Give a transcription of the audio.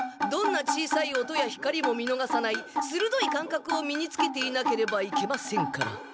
どんな小さい音や光も見のがさないするどいかんかくを身につけていなければいけませんから。